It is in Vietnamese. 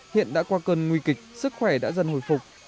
hiện đã qua cơn nguy kịch sức khỏe đã dần hồi phục